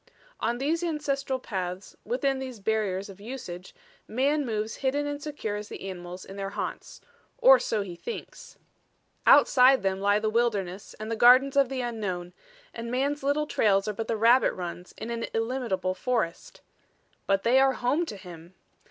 On these ancestral paths, within these barriers of usage, man moves hidden and secure as the animals in their haunts or so he thinks. Outside them lie the wildernesses and the gardens of the unknown, and man's little trails are but rabbit runs in an illimitable forest. But they are home to him!